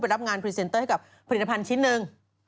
รับงานพรีเซนเตอร์ให้กับผลิตภัณฑ์ชิ้นหนึ่ง